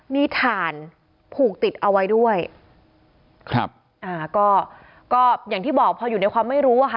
มีฐานผูกติดเอาไว้ด้วยก็อย่างที่บอกพออยู่ในความไม่รู้ค่ะ